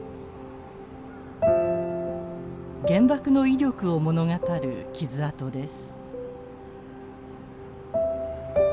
原爆の威力を物語る傷痕です。